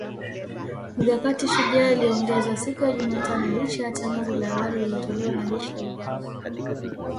Mikakati Shujaa iliongezwa siku ya Jumatano licha ya tangazo la awali lililotolewa na jeshi la Uganda